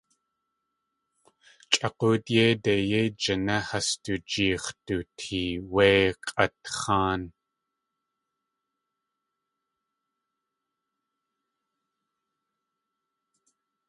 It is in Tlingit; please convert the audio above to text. Chʼa g̲óot yéidei yéi jiné has du jeex̲ dutee wéi k̲ʼatx̲áan.